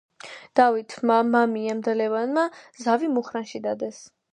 დავითმა, მამიამ და ლევანმა ზავი მუხრანში დადეს.